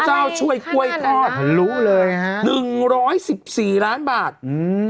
ช่วยกล้วยทอดทะลุเลยฮะหนึ่งร้อยสิบสี่ล้านบาทอืม